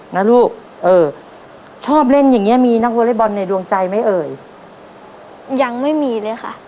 นะลูกเออชอบเล่นอย่างเงี้มีนักวอเล็กบอลในดวงใจไหมเอ่ยยังไม่มีเลยค่ะ